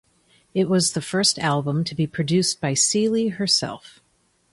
It was the first album to be produced by Seely herself.